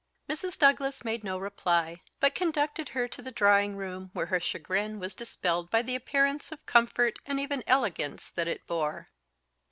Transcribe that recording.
Mrs. Douglas made no reply; but conducted her to the drawing room, where her chagrin was dispelled by the appearance of comfort and even elegance that it bore.